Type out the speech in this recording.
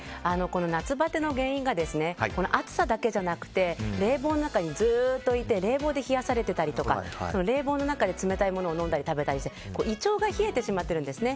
夏バテの原因が暑さだけでじゃなくて冷房の中にずっといて冷房で冷やされてたりとか冷房の中で冷たいものを飲んだり食べたりして胃腸が冷えてしまってるんですね。